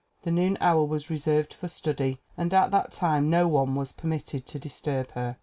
The noon hour was reserved for study and at that time no one was permitted to disturb her.